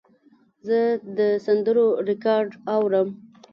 زه د سندرو ریکارډ اورم.